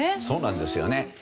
そうなんですよね。